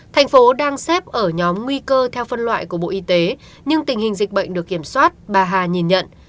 thành phố đang xếp ở nhóm nguy cơ theo phân loại của bộ y tế nhưng tình hình dịch bệnh được kiểm soát bà hà nhìn nhận